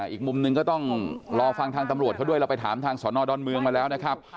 อีกมุมหนึ่งก็ต้องรอฟังทางตำรวจเขาด้วยเราไปถามทางสอนอดอนเมืองมาแล้วนะครับ